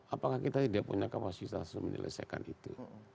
apakah kita tidak punya kapasitas untuk menyelesaikan itu